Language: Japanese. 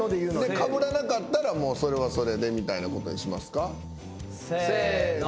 かぶらなかったらもうそれはそれでみたいなことにしますか？せの。